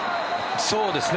そうですね。